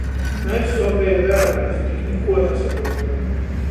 Mes obeji veramēs, tik nikuo nasaprūtam.